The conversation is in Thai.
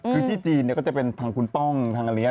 คือที่จีนก็จะเป็นทางคุณป้องทางอเลี้